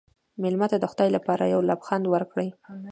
مېلمه ته د خدای لپاره یو لبخند ورکړه.